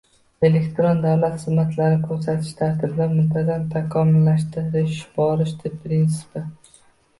Elektron davlat xizmatlari ko‘rsatish tartibini muntazam takomillashtirib borish prinsipi